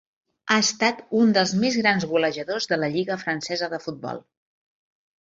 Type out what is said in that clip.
Ha estat un dels més grans golejadors de la lliga francesa de futbol.